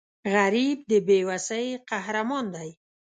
غریب د بې وسۍ قهرمان دی